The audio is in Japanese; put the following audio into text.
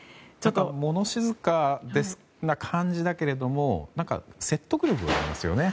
物静かな感じだけれども説得力がありますよね